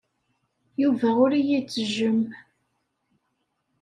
Yuba ur iyi-ittejjem.